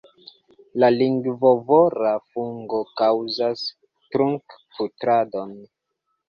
La lingvovora fungo kaŭzas trunkpudradon.